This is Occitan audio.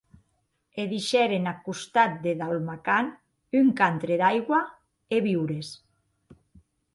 E deishèren ath costat de Daul’makan, un cantre d’aigua e viures.